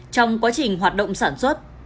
trong quá trình hoạt động sản xuất